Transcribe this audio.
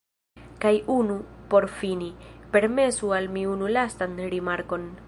Kaj nun, por fini, permesu al mi unu lastan rimarkon.